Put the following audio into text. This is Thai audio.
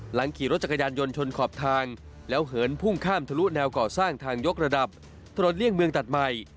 ขี่รถจักรยานยนต์ชนขอบทางแล้วเหินพุ่งข้ามทะลุแนวก่อสร้างทางยกระดับถนนเลี่ยงเมืองตัดใหม่